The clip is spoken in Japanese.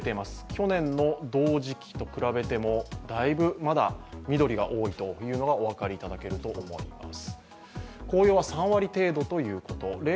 去年の同時期と比べてもだいぶ、まだ緑が多いというのがお分かりいただけると思います。